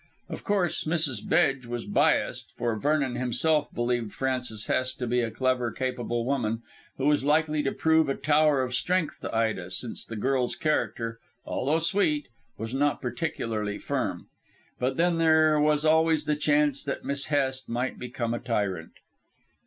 Of course, Mrs. Bedge was biassed, for Vernon himself believed Frances Hest to be a clever, capable woman, who was likely to prove a tower of strength to Ida, since the girl's character, although sweet, was not particularly firm. But then there was always the chance that Miss Hest might become a tyrant.